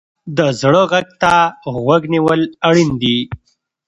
د زړه غږ ته غوږ نیول اړین دي.